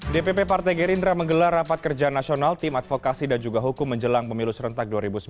dpp partai gerindra menggelar rapat kerja nasional tim advokasi dan juga hukum menjelang pemilu serentak dua ribu sembilan belas